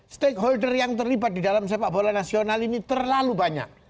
stakeholder yang terlibat di dalam sepak bola nasional ini terlalu banyak